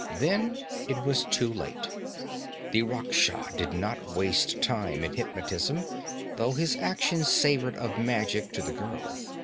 Then it was too late. The Rakhsha did not waste time in hypnotism, though his action savored of magic to the girl.